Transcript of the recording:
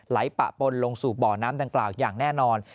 ปะปนลงสู่บ่อน้ำดังกล่าวอย่างแน่นอน